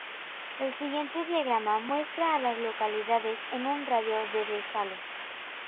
El siguiente diagrama muestra a las localidades en un radio de de Salem.